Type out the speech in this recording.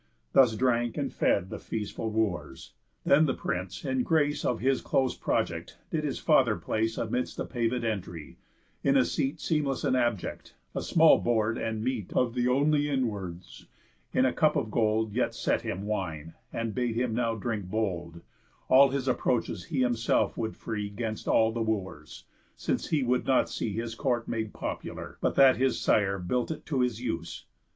Thus drank and fed The feastful Wooers. Then the prince, in grace Of his close project, did his father place Amidst the pavéd entry, in a seat Seemless and abject, a small board and meat Of th' only inwards; in a cup of gold Yet sent him wine, and bade him now drink bold, All his approaches he himself would free 'Gainst all the Wooers, since he would not see His court made popular, but that his sire Built it to his use.